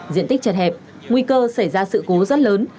diện tích chật hẹp nguy cơ xảy ra sự cố rất lớn